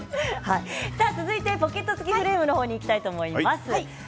続いてポケット付きフレームの方にいきたいと思います。